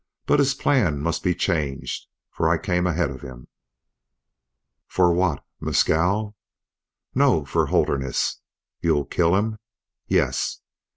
But his plan must be changed, for I came ahead of him." "For what? Mescal?" "No. For Holderness." "You'll kill him!" "Yes."